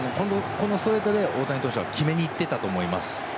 このストレートで、大谷投手は決めに行っていたと思います。